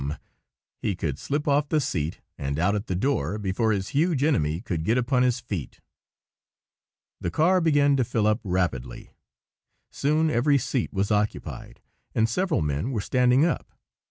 he could slip off the seat and out at the door before his huge enemy could get upon his feet. The car began to fill up rapidly. Soon every seat was occupied, and several men were standing up.